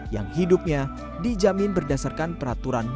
yang hidupnya dijamin berdasarkan peraturan